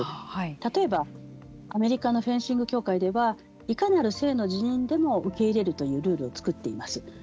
例えば、アメリカのフェンシング協会ではいかなる性の自認でも受け入れるというルールを作っています。